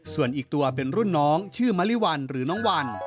ส่วนอีกตัวเป็นรุ่นน้องชื่อมะลิวัลหรือน้องวัน